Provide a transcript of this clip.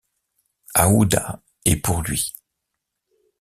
Aouda et pour lui.